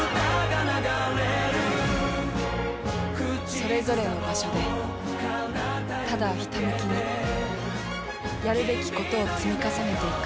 それぞれの場所でただひたむきにやるべきことを積み重ねていく。